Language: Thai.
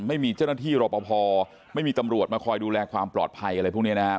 ไม่มีเจ้าหน้าที่รอปภไม่มีตำรวจมาคอยดูแลความปลอดภัยอะไรพวกนี้นะครับ